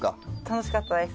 楽しかったです。